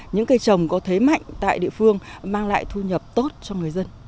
những cây trồng có thế mạnh tại địa phương mang lại thu nhập tốt cho người dân